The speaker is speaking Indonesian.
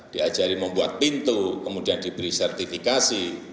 diajari membuat pintu kemudian diberi sertifikasi